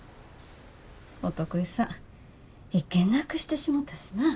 お得意さん１件なくしてしもたしな。